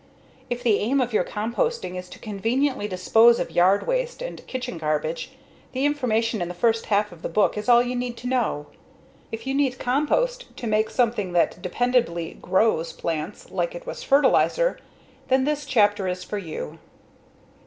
If the aim of your own composting is to conveniently dispose of yard waste and kitchen garbage, the information in the first half of the book is all you need to know. If you need compost to make something that dependably GROWS plants like it was fertilizer, then this chapter is for you.